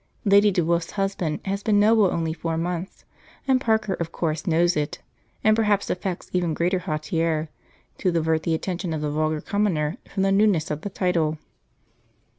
Lady DeWolfe's husband has been noble only four months, and Parker of course knows it, and perhaps affects even greater hauteur to divert the attention of the vulgar commoner from the newness of the title.